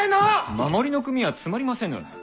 守りの組はつまりませぬ。